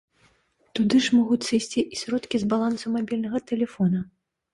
Туды ж могуць сысці і сродкі з балансу мабільнага тэлефона.